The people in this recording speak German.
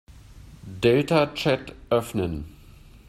Deltachat öffnen.